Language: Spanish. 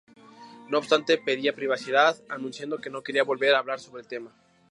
No obstante, pedía privacidad anunciando que no quería volver a hablar sobre ese tema.